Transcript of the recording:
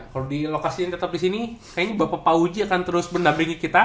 kalau di lokasi ini tetap di sini kayaknya bapak fauji akan terus benda bringi kita